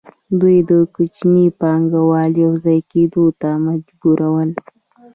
دوی کوچني پانګوال یوځای کېدو ته مجبورول